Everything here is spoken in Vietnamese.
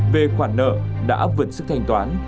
về khoản nợ đã vượt sức thành toán